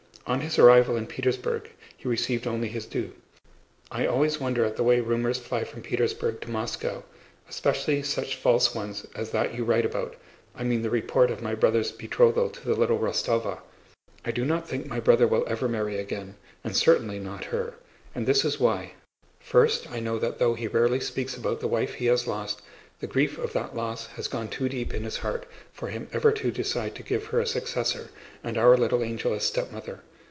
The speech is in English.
On his arrival in Petersburg he received only his due. I always wonder at the way rumors fly from Petersburg to Moscow, especially such false ones as that you write about—I mean the report of my brother's betrothal to the little Rostóva. I do not think my brother will ever marry again, and certainly not her; and this is why: first, I know that though he rarely speaks about the wife he has lost, the grief of that loss has gone too deep in his heart for him ever to decide to give her a successor and our little angel a stepmother.